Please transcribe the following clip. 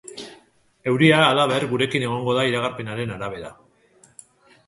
Euria, halaber, gurekin egongo da, iragarpenaren arabera.